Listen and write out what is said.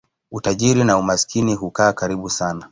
Utajiri na umaskini hukaa karibu sana.